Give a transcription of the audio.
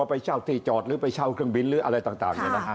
ก็ไปเช่าที่จอดหรือเครื่องบินอะไรต่าง